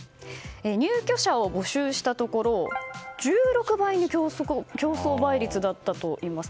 入居者を募集したところ１６倍の競争倍率だったといいます。